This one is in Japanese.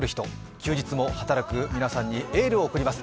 休日も働く皆さんにエールを送ります。